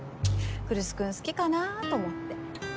来栖君好きかなと思って。